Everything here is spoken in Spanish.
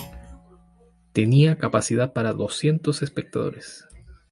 Tenía capacidad para doscientos espectadores.